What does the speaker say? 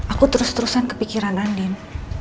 aku terus terusan kepikiran london